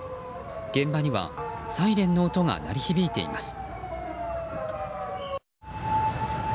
現場にはサイレンの音が鳴り響いています。